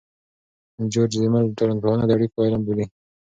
جورج زیمل ټولنپوهنه د اړیکو علم بولي.